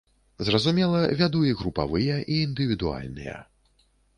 Зразумела, вяду і групавыя, і індывідуальныя.